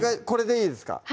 これでいいですか？